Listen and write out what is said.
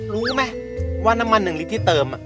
รู้ไหมว่าน้ำมัน๑ลิตรที่เติม